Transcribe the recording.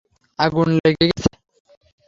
আগুন লেগে গেছে!